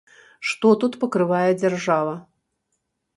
Што тут пакрывае дзяржава?